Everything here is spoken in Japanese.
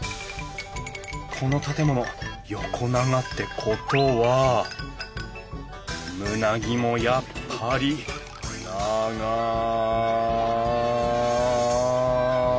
この建物横長ってことは棟木もやっぱり長い！